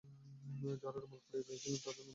যাঁর রুমাল কুড়িয়ে পেয়েছিলুম তাঁর নামটি বলতে হবে।